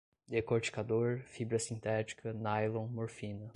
decorticador, fibra sintética, nylon, morfina